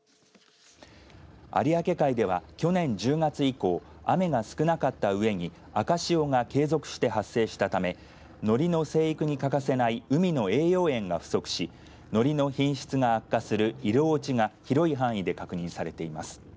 有明海では去年１０月以降雨が少なかったうえに赤潮が継続して発生したためのりの生育に欠かせない海の栄養塩が不足しのりの品質が悪化する色落ちが広い範囲で確認されています。